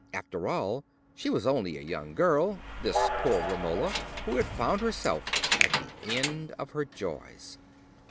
After all, she was only a young girl—this poor Romola, who had found herself at the end of her joys.